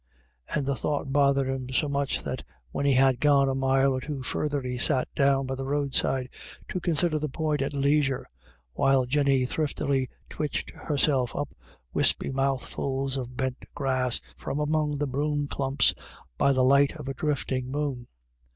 And the thought bothered him so much, that when he had gone a mile or two further he sat down by the roadside to consider the point at leisure, while Jinny thriftily twitched herself up wispy mouthfuls of bent grass from among the broom clumps by the light of a drifting moon.